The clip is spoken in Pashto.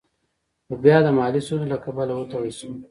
خو بيا د مالي ستونزو له کبله وتړل شوه.